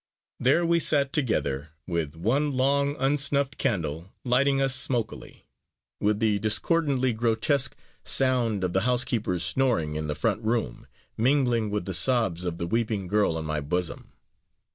There we sat together, with one long unsnuffed candle lighting us smokily; with the discordantly grotesque sound of the housekeeper's snoring in the front room, mingling with the sobs of the weeping girl on my bosom.